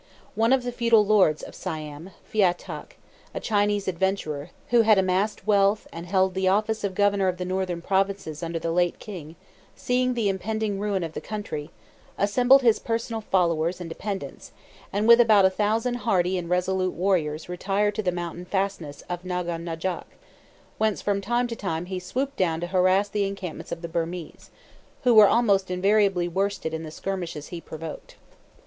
One of the feudal lords of Siam, Phya Tâk, a Chinese adventurer, who had amassed wealth, and held the office of governor of the northern provinces under the late king, seeing the impending ruin of the country, assembled his personal followers and dependants, and with about a thousand hardy and resolute warriors retired to the mountain fastness of Naghon Najok, whence from time to time he swooped down to harass the encampments of the Birmese, who were almost invariably worsted in the skirmishes he provoked.